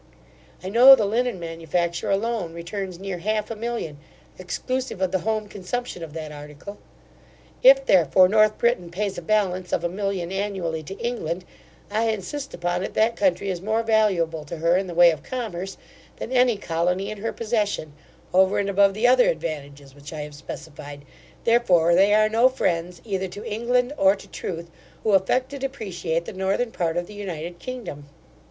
I know the linen manufacture alone returns near half a million, exclusive of the home consumption of that article. If, therefore, North Britain pays a ballance of a million annually to England, I insist upon it, that country is more valuable to her in the way of commerce, than any colony in her possession, over and above the other advantages which I have specified: therefore, they are no friends, either to England or to truth, who affect to depreciate the northern part of the united kingdom.